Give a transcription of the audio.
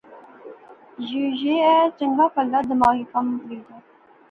یہ ایہہ چنگا پہلا دماغی کم وی دا